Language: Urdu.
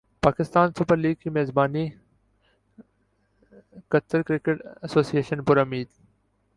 پاکستان سپر لیگ کی میزبانیقطر کرکٹ ایسوسی ایشن پر امید